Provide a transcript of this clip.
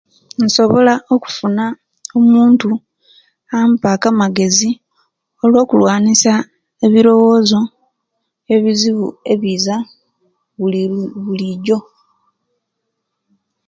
Insobola okufuna omuntu ampaku amagezi olwo okulwanisia ebilowozo ebizibu ebiza bulilu bulijo